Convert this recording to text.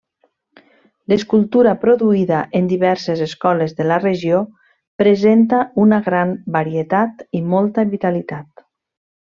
L'escultura produïda en diverses escoles de la regió presenta una gran varietat i molta vitalitat.